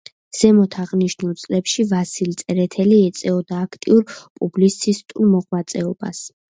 ზემოთ აღნიშნულ წლებში ვასილ წერეთელი ეწეოდა აქტიურ პუბლიცისტურ მოღვაწეობას.